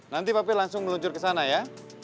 nanti papi langsung meluncur kesana ya